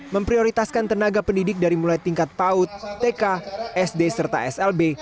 memprioritaskan tenaga pendidik dari mulai tingkat paut tk sd serta slb